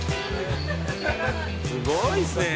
すごいっすね。